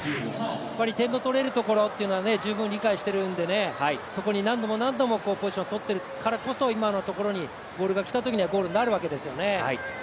点のとれるところっていうのは十分、理解してるのでそこに何度もポジションをとっているからこそ今のところにボールがきたときにゴールになるんですよね。